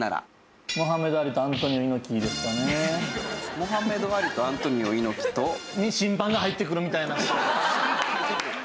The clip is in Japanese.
モハメド・アリとアントニオ猪木と？に審判が入ってくるみたいな。